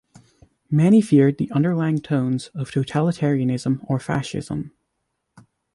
Many feared the underlying tones of totalitarianism or fascism.